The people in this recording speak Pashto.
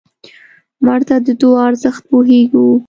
مړه ته د دعا ارزښت پوهېږو